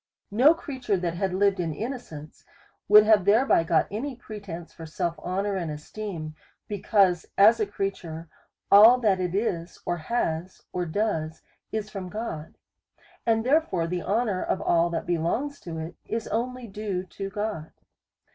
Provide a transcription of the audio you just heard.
No creature that had lived in innocence, would have thereby got any pretence for self honour and esteem ; because, as a creature, all that it is, or has, or does, is from God, and therefore the honour of all that belongs to it, is only due to God.